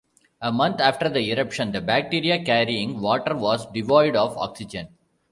A month after the eruption, the bacteria-carrying water was devoid of oxygen.